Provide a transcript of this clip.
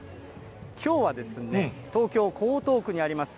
きょうは東京・江東区にあります